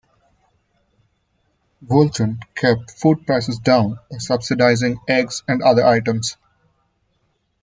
Woolton kept food prices down by subsidizing eggs and other items.